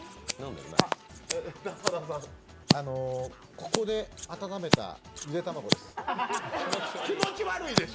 ここで温めたゆで卵です。